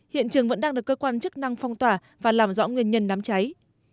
hiện trường vẫn đang được cơ quan chức năng phong tỏa và làm rõ nguyên nhân đám cháy